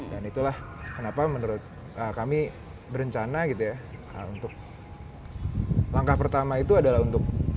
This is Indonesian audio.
dan itulah kenapa menurut kami berencana gitu ya untuk langkah pertama itu adalah untuk